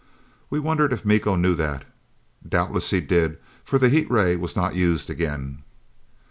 We wondered if Miko knew that. Doubtless he did, for the heat ray was not used again.